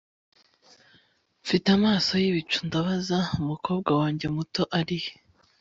Mfite amaso yibicu ndabaza Umukobwa wanjye muto arihe